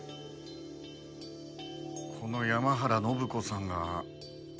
この山原展子さんが？